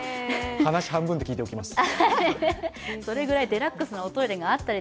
話半分で聞いておきます。